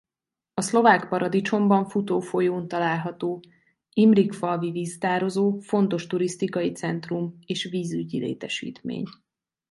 A Szlovák Paradicsomban futó folyón található Imrikfalvi-víztározó fontos turisztikai centrum és vízügyi létesítmény.